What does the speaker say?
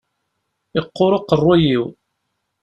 Yeqqur uqerruy-iw.